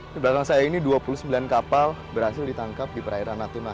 di belakang saya ini dua puluh sembilan kapal berhasil ditangkap di perairan natuna